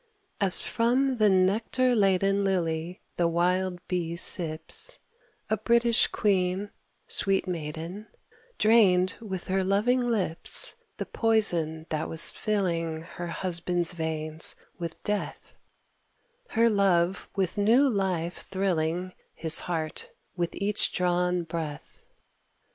As from the nectar laden Lily the wild bee sips, A British queen, sweet maiden, Drained with her loving lips The poison that was filling Her husband's veins with death, Her love with new life thrilling His heart with each drawn breath.